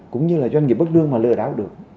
cũng như là doanh nghiệp bất lương mà lừa đảo được